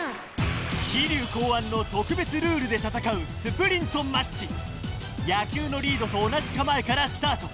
桐生考案の特別ルールで戦うスプリントマッチ野球のリードと同じ構えからスタート